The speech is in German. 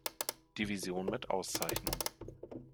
Division mit Auszeichnung.